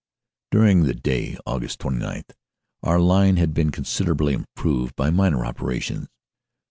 "During the day (Aug. 29) our line had been considerably improved by minor operations.